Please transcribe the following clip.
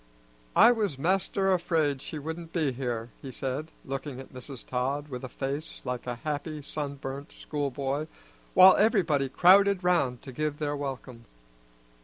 "I was master afraid she wouldn't be here," he said, looking at Mrs. Todd with a face like a happy sunburnt schoolboy, while everybody crowded round to give their welcome.